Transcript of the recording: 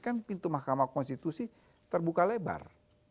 kan pintu mahkamah konstitusi terbuka lebar